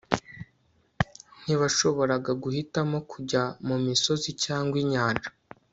ntibashoboraga guhitamo kujya mumisozi cyangwa inyanja